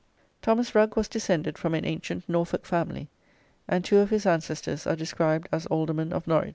"Thomas Rugge was descended from an ancient Norfolk family, and two of his ancestors are described as Aldermen of Norwich.